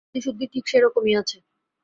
ওর বুদ্ধিশুদ্ধি ঠিক সেইরকমই আছে!